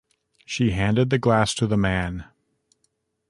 She handed the glass to the man.